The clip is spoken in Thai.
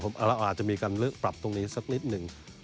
เราอาจจะมีการเลือกปรับตรงนี้สักนิดหนึ่ง